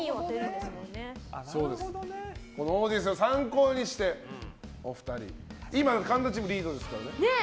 このオーディエンスを参考にして今、神田チームがリードですからね。